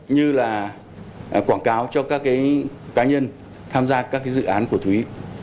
như là quảng cáo cho các cá nhân tham gia các dự án của thúy